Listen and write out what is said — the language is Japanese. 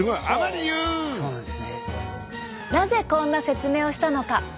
なぜこんな説明をしたのか。